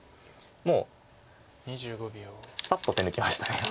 もうさっと手抜きました。